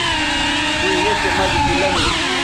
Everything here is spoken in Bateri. ھویں یھ چہء مَزو تُو لمی